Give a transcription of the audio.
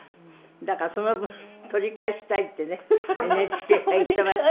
だからその分取り返したいってねＮＨＫが言ってました。